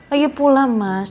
ayah pula mas